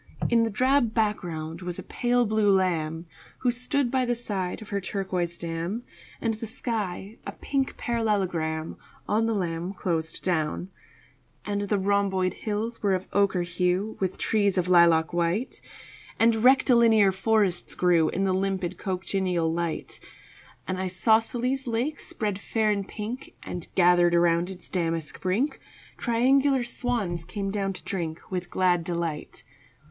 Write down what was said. In the drab background was a pale blue lamb Who stood by the side of her turquoise dam, And the sky a pink parallelogram On the lamb closed down. And the rhomboid hills were of ochre hue With trees of lilac white, And rectilinear forests grew In a limpid cochineal light. An isosceles lake spread fair and pink, And, gathered about its damask brink, Triangular swans came down to drink With glad delight.